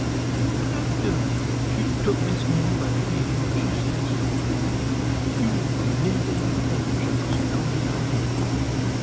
An' when I'd done she tuk Miss Nannie by de han' an' she says: "'You won't never want a home, chile, so long as I live.